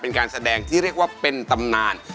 เป็นการแสดงที่เรียกว่าเป็นตำนาน